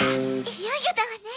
いよいよだわね。